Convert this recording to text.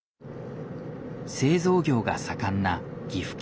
製造業が盛んな岐阜県。